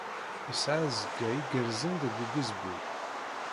Yesɛa azekka igerrzen deg ubizbul.